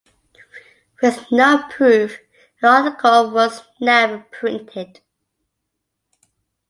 With no proof, an article was never printed.